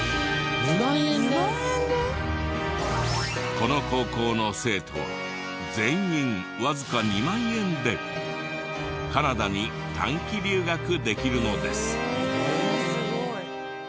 この高校の生徒は全員わずか２万円でカナダに短期留学できるのです。